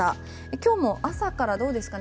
今日も朝からどうですかね